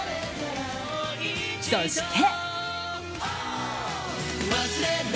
そして。